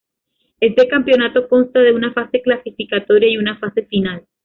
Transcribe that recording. Este campeonato consta de una fase clasificatoria y una fase final.